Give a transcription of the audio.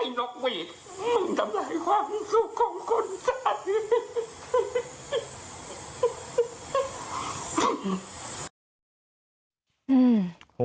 ไอ้นกเวทมึงทำร้ายความสุขของคนชั้น